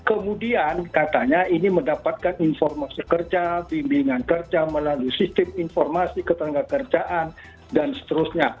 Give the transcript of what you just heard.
kemudian katanya ini mendapatkan informasi kerja bimbingan kerja melalui sistem informasi ketenagakerjaan dan seterusnya